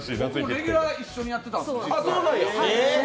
レギュラー一緒にやってたんですよね、実は。